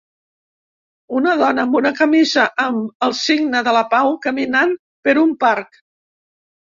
Una dona amb una camisa amb el signe de la pau caminant per un parc.